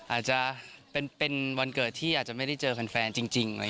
อาจจะเป็นวันเกิดที่อาจจะไม่ได้เจอแฟนจริง